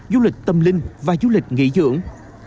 du lịch tâm linh và du lịch nghỉ dưỡng